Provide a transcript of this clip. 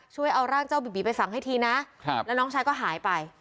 ช่วยเอาร่างเจ้าบีบีไปฝังให้ทีนะแล้วน้องชายก็หายไป